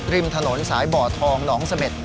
ริมถนนสายบ่อทองนสมฤทธิ์